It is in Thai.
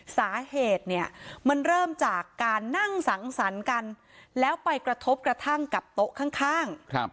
สาเหตุเนี่ยมันเริ่มจากการนั่งสังสรรค์กันแล้วไปกระทบกระทั่งกับโต๊ะข้าง